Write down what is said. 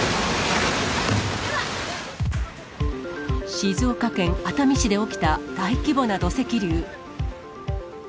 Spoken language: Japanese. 静岡県熱海市で起きた大規模な土石流。